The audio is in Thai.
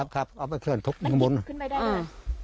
ครับครับเอาไปเคลื่อนทุบข้างบนขึ้นไปได้เลยอ่า